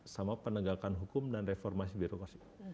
sama penegakan hukum dan reformasi birokrasi